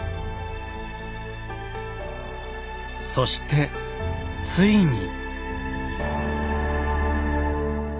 そしてついに。